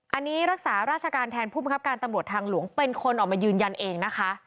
อันนี้รักษาราชการแทนผู้บังคับการตำรวจทางหลวงเป็นคนออกมายืนยันเองนะคะ